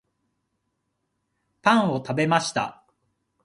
パンを食べました